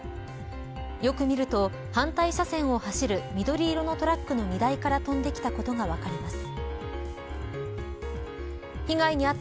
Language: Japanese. よく見ると反対車線を走る緑色のトラックの荷台から飛んできたことが分かります。